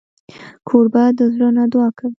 کوربه د زړه نه دعا کوي.